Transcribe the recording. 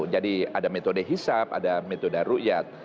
jadi ada metode hisap ada metode ru'yat